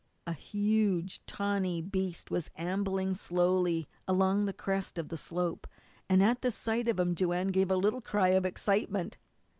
A huge, tawny beast was ambling slowly along the crest of the slope, and at sight of him Joanne gave a little cry of excitement.